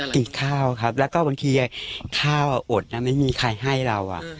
กินข้าวครับแล้วก็บางทีข้าวอดนะไม่มีใครให้เรา